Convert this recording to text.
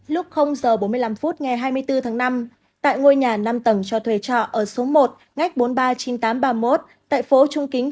lúc h bốn mươi năm phút ngày hai mươi bốn tháng năm tại ngôi nhà năm tầng cho thuê trọ ở số một ngách bốn mươi ba chín nghìn tám trăm ba mươi một tại phố trung kính